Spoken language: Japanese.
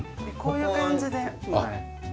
こういう感じで。